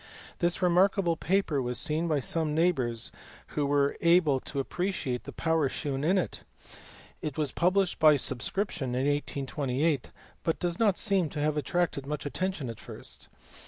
This remarkable paper was seen by some neigh bours who were able to appreciate the power shewn in it : it was published by subscription in 1828, but does not seem to have attracted much attention at first.